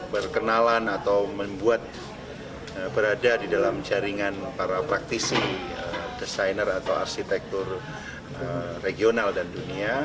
berkenalan atau membuat berada di dalam jaringan para praktisi desainer atau arsitektur regional dan dunia